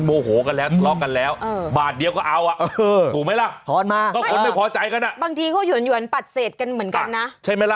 มิเตอร์ขึ้นหกสิบเก้าแล้วจ่ายไปเจ็ดสิบ